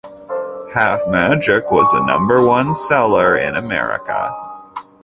"Half Magic" was a number one seller in America.